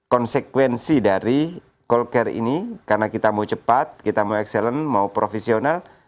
konsekuensi dari call care ini karena kita mau cepat kita mau excellent mau profesional